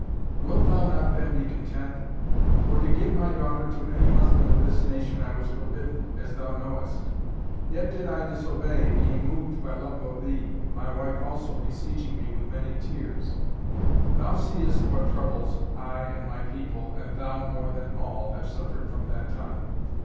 Wilt thou not then be content? For to give my daughter to any husband of this nation I was forbidden, as thou knowest. Yet did I disobey, being moved by love of thee, my wife also beseeching me with many tears. Thou seest what troubles I and my people, and thou more than all, have suffered from that time.